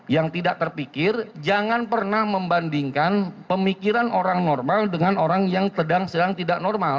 yang tidak terpikir jangan pernah membandingkan pemikiran orang normal dengan orang yang sedang sedang tidak normal